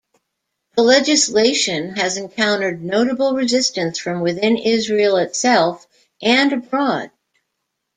The legislation has encountered notable resistance from within Israel itself and abroad.